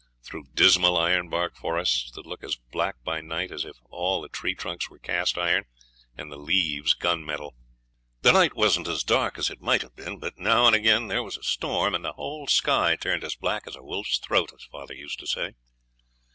Through dismal ironbark forests that looked as black by night as if all the tree trunks were cast iron and the leaves gun metal. The night wasn't as dark as it might have been, but now and again there was a storm, and the whole sky turned as black as a wolf's throat, as father used to say.